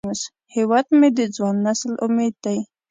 هیواد مې د ځوان نسل امید دی